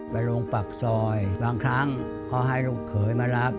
ไปลงปากซอยบางครั้งก็ให้ลูกเขยมารับ